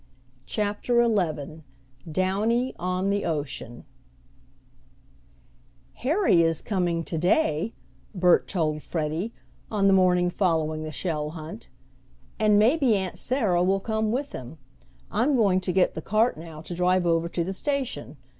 CHAPTER XI DOWNY ON THE OCEAN "Harry is coming to day," Bert told Freddie, on the morning following the shell hunt, "and maybe Aunt Sarah will come with him. I'm going to get the cart now to drive over to the station.